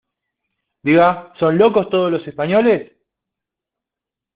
¿ diga, son locos todos los españoles?